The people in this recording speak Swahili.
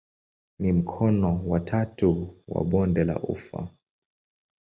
Ni mkono wa tatu wa bonde la ufa.